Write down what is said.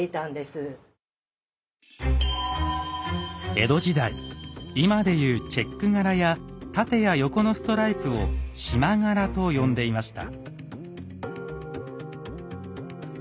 江戸時代今で言うチェック柄や縦や横のストライプを「縞柄」と呼んでいました。